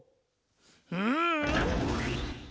うん！